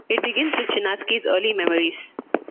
It begins with Chinaski's early memories.